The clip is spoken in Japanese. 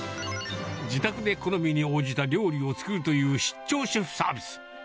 自宅で好みに応じた料理を作るという出張シェフサービス。